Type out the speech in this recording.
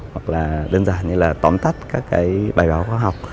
hoặc là đơn giản như là tóm tắt các cái bài báo khoa học